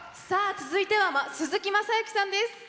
続いては鈴木雅之さんです。